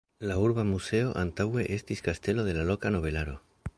La urba muzeo antaŭe estis kastelo de la loka nobelaro.